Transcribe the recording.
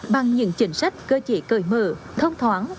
bằng những chính sách cơ chế cởi mở thông thoáng